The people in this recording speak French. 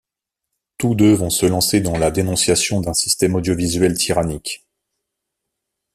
Tous deux vont se lancer dans la dénonciation d'un système audiovisuel tyrannique.